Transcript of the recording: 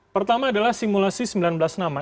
pertama adalah simulasi sembilan belas nama